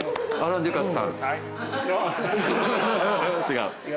違う？